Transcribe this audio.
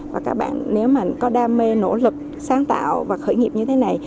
và các bạn nếu mà có đam mê nỗ lực sáng tạo và khởi nghiệp như thế này